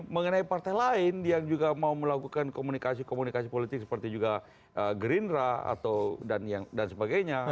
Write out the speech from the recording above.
mengenai partai lain yang juga mau melakukan komunikasi komunikasi politik seperti juga gerindra dan sebagainya